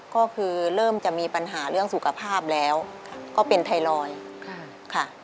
ก็คือเริ่มจะมีปัญหาเรื่องสุขภาพแล้วก็เป็นไทรอยด์ค่ะ